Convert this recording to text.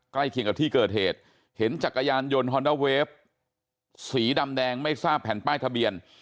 ใกล้เคียงกับที่เกิดเหตุเห็นจักรยานยนต์ฮอนด้าเวฟสีดำแดงไม่ทราบแผ่นป้ายทะเบียน